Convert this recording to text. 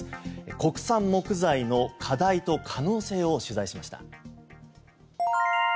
国産木材の課題と可能性を取材しました。